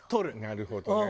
なるほどね。